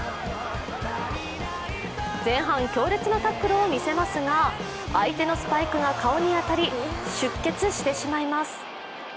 前半、強烈なタックルを見せますが、相手のスパイクが顔に当たり出血してしまいます。